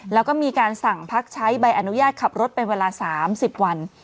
แล้วก็มีการสั่งพักใช้ใบอนุญาตขับรถเป็นเวลา๓๐วัน